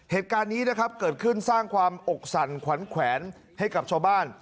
เหตุการณ์นี้นะครับเกิดขึ้นสร้างความอกสั่นขวัญแขวนให้กับชาวบ้าน